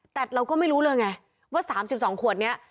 แต่เราก็ไม่รู้เลยไงว่าสามสิบสองขวดเนี้ย